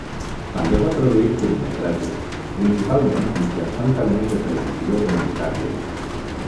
També va produir curtmetratges, principalment mitjançant cadenes de televisió comunitàries.